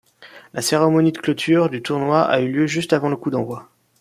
La cérémonie de clôture du tournoi a eu lieu juste avant le coup d'envoi.